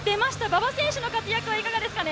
馬場選手の活躍、いかがですか？